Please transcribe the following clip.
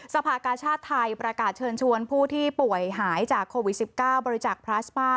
สภากาชาติไทยประกาศเชิญชวนผู้ที่ป่วยหายจากโควิด๑๙บริจาคพลาสมา